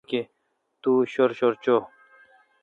تو شر شر چوں۔